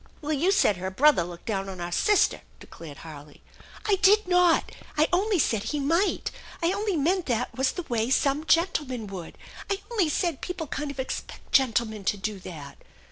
"Well, you said her brother looked down on our sister," declared Harley. "I did not! I only said he might! I only meant that was the way some gentlemen would. I only said people kind of expect gentlemen to do that."